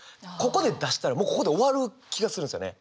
ここで出したらもうここで終わる気がするんですよね。